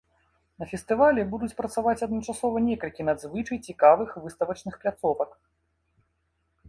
На фестывалі будуць працаваць адначасова некалькі надзвычай цікавых выставачных пляцовак.